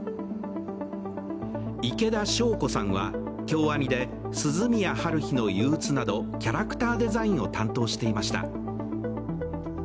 池田昌子さんは京アニで「涼宮ハルヒの憂鬱」などキャラクターデザインを担当していました。